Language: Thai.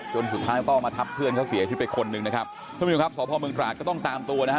จนสุดท้ายต้องมาทับเพื่อนเขาเสียที่เป็นคนนึงนะครับคุณผู้ชมครับสพเมืองตราชก็ต้องตามตัวนะฮะ